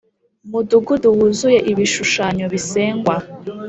mudugudu wuzuye ibishushanyo bisengwa